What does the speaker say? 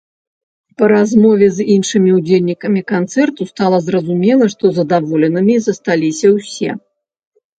Па размове з іншымі ўдзельнікамі канцэрту стала зразумела, што задаволенымі засталіся ўсе!